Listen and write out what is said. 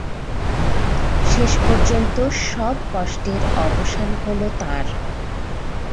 শেষ পর্যন্ত সব কষ্টের অবসান হলো তাঁর।